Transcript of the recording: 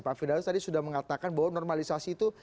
pak firdaus tadi sudah mengatakan bahwa normalisasi itu